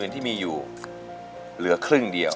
ที่มีอยู่เหลือครึ่งเดียว